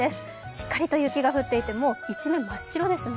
しっかりと雪が降っていて、もう一面真っ白ですね。